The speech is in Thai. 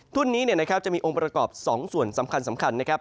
ทุนนี้จะมีองค์ประกอบ๒ส่วนสำคัญนะครับ